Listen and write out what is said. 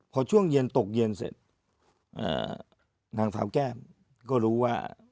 พอช่วงเย็นตกเย็นเสร็จนางสาวแก้มก็รู้ว่า